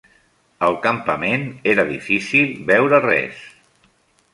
Al campament, era difícil veure res.